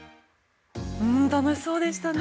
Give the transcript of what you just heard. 楽しそうでしたね。